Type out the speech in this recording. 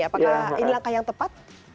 apakah ini langkah yang tepat